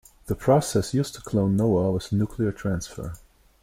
The process used to clone Noah was nuclear transfer.